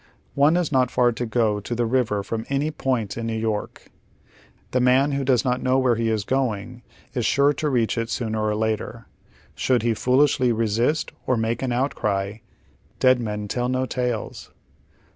One has not far to go to the river from any point in New York. The man who does not know where he is going is snre to reacli it sooner or later. Shonld he fool ishly resist or make an outcry— dead men tell no tales.